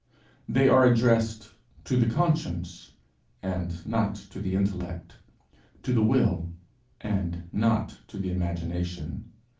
They are addressed to the conscience and not to the intellect, to the will and not to the imagination.